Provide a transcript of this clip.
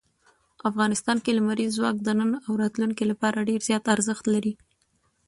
افغانستان کې لمریز ځواک د نن او راتلونکي لپاره ډېر زیات ارزښت لري.